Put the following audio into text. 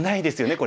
これ。